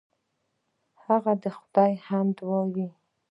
هغه د خدای حمد وایه.